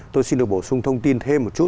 tôi xin được bổ sung thông tin thêm một chút